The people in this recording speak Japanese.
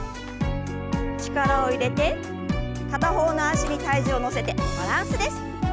力を入れて片方の脚に体重を乗せてバランスです。